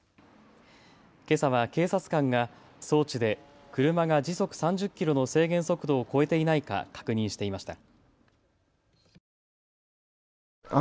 けさは警察官が装置で車が時速３０キロの制限速度を超えていないか確認していました。